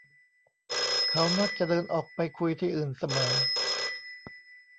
เขามักจะเดินออกไปคุยที่อื่นเสมอ